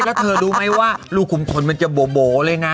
แล้วเธอรู้ไหมว่าลูกคุมคนมันจะโบ๋เลยนะ